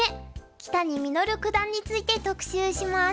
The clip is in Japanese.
木谷實九段について特集します。